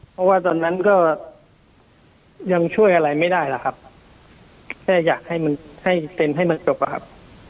เพราะว่าตอนนั้นก็ยังช่วยอะไรไม่ได้หรอกครับแค่อยากให้มันให้เซ็นให้มันจบอะครับ